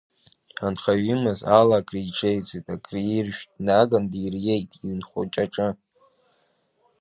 Анхаҩ имаз ала акриҿеиҵт, ақрииржәт, днаган дириеит иҩн хәҷаҿы.